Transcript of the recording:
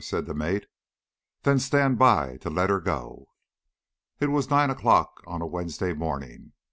said the mate. "Then stand by to let her go." It was nine o'clock on a Wednesday morning.